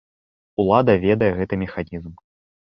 Улада ведае гэты механізм.